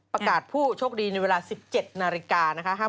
ผู้โชคดีในเวลา๑๗นาฬิกานะคะ